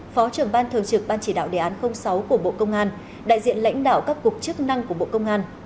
phó trưởng ban thường trực ban chỉ đạo đề án sáu của bộ công an đại diện lãnh đạo các cuộc chức năng của bộ công an